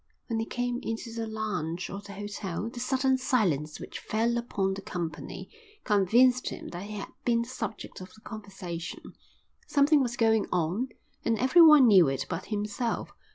When he came into the lounge of the hotel the sudden silence which fell upon the company convinced him that he had been the subject of the conversation. Something was going on and everyone knew it but himself.